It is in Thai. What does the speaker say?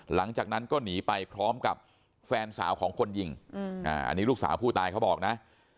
หลังจากนั้นก็หนีไปพร้อมกับแฟนสาวของคนยิงอันนี้ลูกสาวผู้ตายเขาบอกนะ